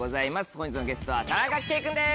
本日のゲストは田中圭君です。